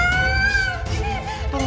tidak apa apa ampun